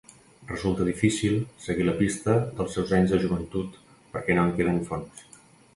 Resulta difícil seguir la pista dels seus anys de joventut perquè no en queden fonts.